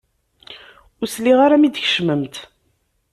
Ur sliɣ ara mi d-tkecmemt.